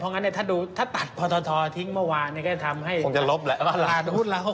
เพราะงั้นถ้าดูถ้าตัดพอทอทิ้งเมื่อวานก็จะทำให้